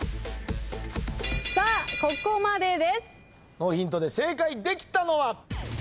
ノーヒントで正解できたのは。